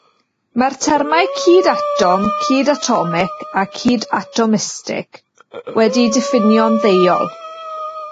Mae'r termau "cydatom", "cydatomig", a "cydatomistig" wedi'u diffinio'n ddeuol.